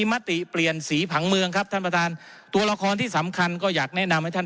มติเปลี่ยนสีผังเมืองครับท่านประธานตัวละครที่สำคัญก็อยากแนะนำให้ท่าน